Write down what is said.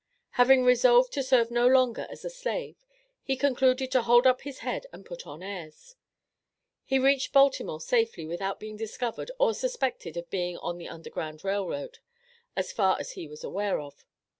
Having resolved to serve no longer as a slave, he concluded to "hold up his head and put on airs." He reached Baltimore safely without being discovered or suspected of being on the Underground Rail Road, as far as he was aware of.